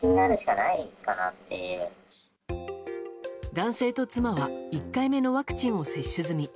男性と妻は１回目のワクチンを接種済み。